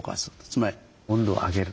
つまり温度を上げる。